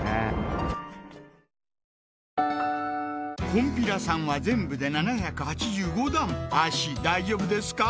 「こんぴらさん」は全部で７８５段脚大丈夫ですか？